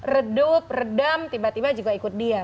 redup redam tiba tiba juga ikut diam